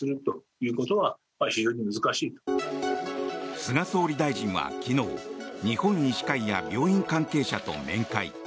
菅総理大臣は昨日日本医師会や病院関係者と面会。